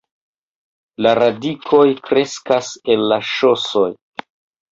La radikoj kreskas el la ŝosoj.